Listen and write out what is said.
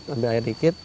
ambil air dikit